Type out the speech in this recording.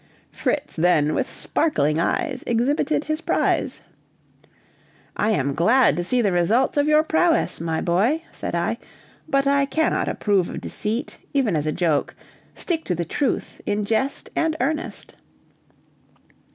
Fritz then with sparkling eyes exhibited his prize. "I am glad to see the results of your prowess, my boy," said I; "but I cannot approve of deceit, even as a joke; stick to the truth in jest and earnest."